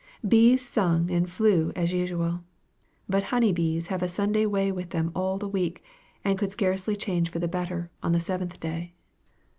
Bees sung and flew as usual; but honey bees have a Sunday way with them all the week, and could scarcely change for the better on the seventh day.